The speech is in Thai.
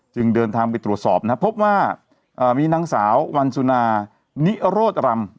จึงเดินทางไปตรวจสอบนะครับพบว่ามีนางสาววันสุนานิโรธรำ